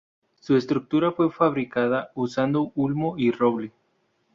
Su estructura fue fabricada usando ulmo y roble.